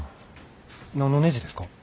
何のねじですか？